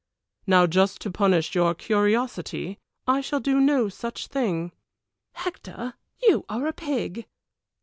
"Now just to punish your curiosity I shall do no such thing." "Hector, you are a pig."